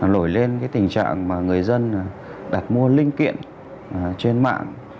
lỗi lên tình trạng người dân đặt mua linh kiện trên mạng